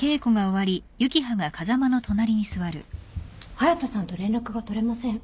隼田さんと連絡が取れません。